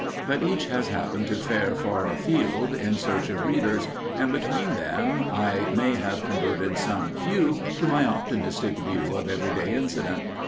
But each has happened to fare far afield in search of readers, and between them I may have converted some few to my optimistic view of every day incident.